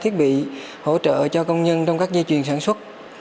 thiết bị hỗ trợ cho công nhân trong các dây chuyền sản xuất